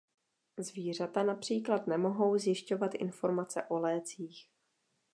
Zvířata například nemohou zjišťovat informace o lécích.